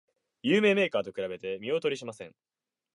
有名メーカーと比べて見劣りしません